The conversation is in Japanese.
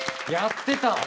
やってた。